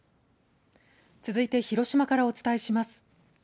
続いて広島からお伝えします。